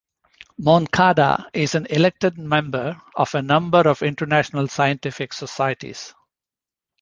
Moncada is an elected member of a number of international scientific societies.